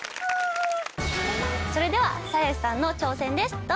それでは鞘師さんの挑戦です。